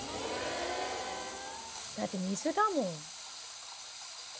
だって水だもん。